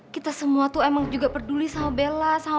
kita semua tuh emang juga peduli sama bella